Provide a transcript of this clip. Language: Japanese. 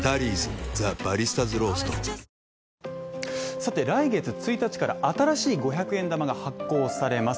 さて来月１日から新しい５００円玉が発行されます